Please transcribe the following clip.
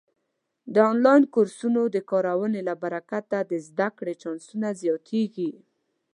د آنلاین کورسونو د کارونې له برکته د زده کړې چانسونه زیاتېږي.